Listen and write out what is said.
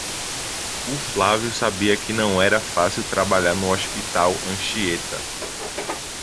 O Flávio sabia que não era fácil trabalhar no Hospital Anchieta.